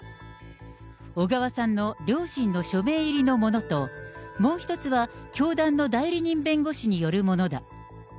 小川さんの両親の署名入りのものと、もう一つは教団の代理人弁護士によるものだ。